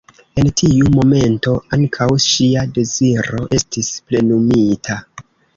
En tiu momento ankaŭ ŝia deziro estis plenumita.